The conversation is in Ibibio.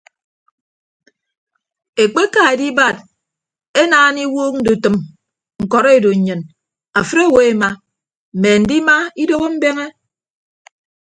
Ekpeka edibad enaana iwuuk ndutʌm ñkọrọ edu nnyin afịd owo ema mme andima idooho mbeñe.